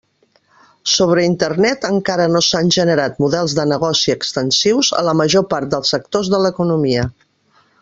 Sobre Internet encara no s'han generat models de negoci extensius a la major part de sectors de l'economia.